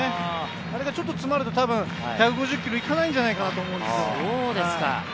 あれがちょっと詰まると、１５０キロ行かないんじゃないかなと思うんです。